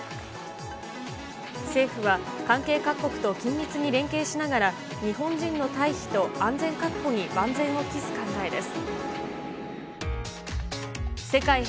政府は関係各国と緊密に連携しながら、日本人の退避と安全確保に万全を期す考えです。